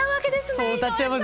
そう歌っちゃいます